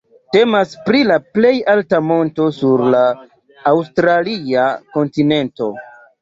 Temas pri la plej alta monto sur la aŭstralia kontinento.